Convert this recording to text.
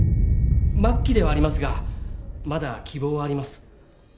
末期ではありますがまだ希望はあります。